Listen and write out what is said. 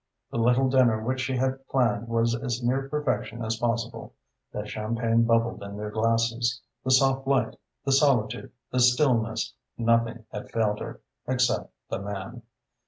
The little dinner which she had planned was as near perfection as possible. The champagne bubbled in their glasses. The soft light, the solitude, the stillness, nothing had failed her, except the man.